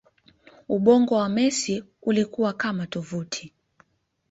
ubongo wa Messi ulikuwa kama tovuti